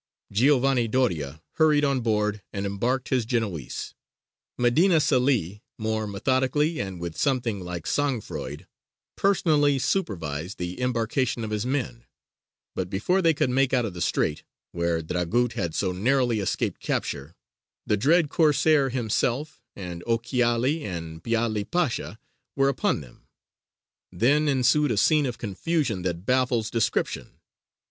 Giovanni Doria hurried on board and embarked his Genoese; Medina Celi more methodically and with something like sang froid personally supervised the embarcation of his men; but before they could make out of the strait, where Dragut had so narrowly escaped capture, the dread Corsair himself, and Ochiali, and Piāli Pasha were upon them. Then ensued a scene of confusion that baffles description.